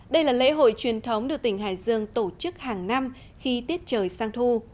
đây là lễ hội truyền thống được tỉnh hải dương tổ chức hàng năm khi tiết trời sang thu